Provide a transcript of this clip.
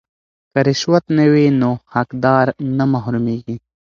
که رشوت نه وي نو حقدار نه محرومیږي.